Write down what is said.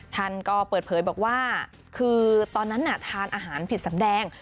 ท่านก็เปิดเผยบอกว่าคือตอนนั้นทานอาหารผิดสำแดง